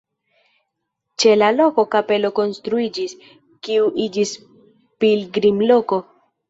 Ĉe la loko kapelo konstruiĝis, kiu iĝis pilgrimloko.